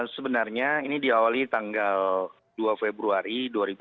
sebenarnya ini diawali tanggal dua februari dua ribu dua puluh